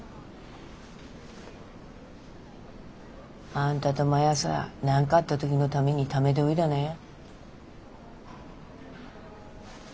あんたとマヤさ何かあった時のためにためておいだなや。